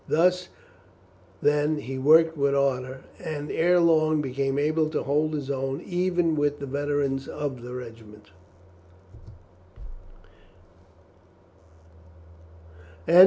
Thus, then, he worked with ardour, and ere long became able to hold his own even with the veterans of the regiment.